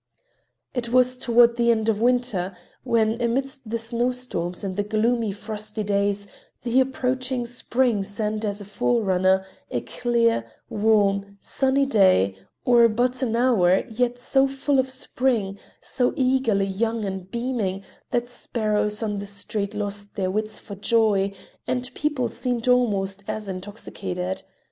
It was toward the end of winter, when amidst the snowstorms and the gloomy, frosty days, the approaching spring sent as a forerunner a clear, warm, sunny day, or but an hour, yet so full of spring, so eagerly young and beaming that sparrows on the streets lost their wits for joy, and people seemed almost as intoxicated.